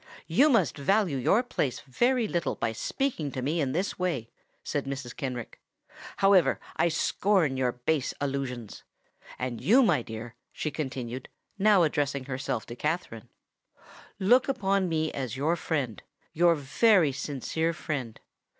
"You must value your place very little by speaking to me in this way," said Mrs. Kenrick. "However, I scorn your base allusions. And you, my dear," she continued, now addressing herself to Katherine, "look upon me as your friend—your very sincere friend.